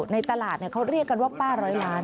ในตลาดเขาเรียกกันว่าป้าร้อยล้าน